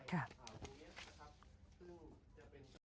ครับ